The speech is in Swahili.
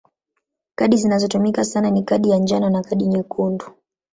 Kadi zinazotumika sana ni kadi ya njano na kadi nyekundu.